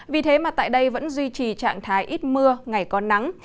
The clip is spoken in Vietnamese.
vì thế mà tại đây vẫn duy trì trạng thái ít mưa ngày có nắng